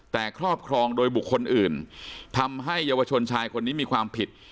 แต่ครอบครองโดยบุคคลอื่นทำให้เยาวชนชายคนนี้มีความผิด